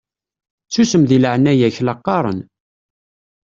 Susem deg leɛnaya-k la qqaṛen!